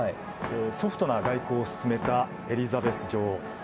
ソフトな外交を進めたエリザベス女王。